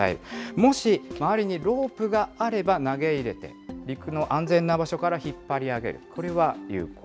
もし周りにロープがあれば投げ入れて、陸の安全な場所から引っ張り上げる。